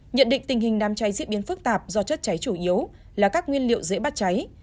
nhận định tình hình đám cháy diễn biến phức tạp do chất cháy chủ yếu là các nguyên liệu dễ bắt cháy